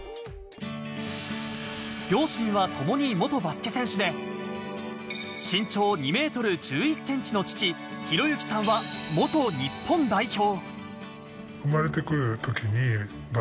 両親はともに元バスケ選手で、身長２ｍ１１ｃｍの父・啓之さんは元日本代表。